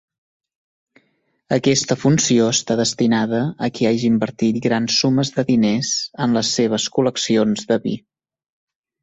Aquesta funció està destinada a qui hagi invertit grans sumes de diners en les seves col·leccions de vi.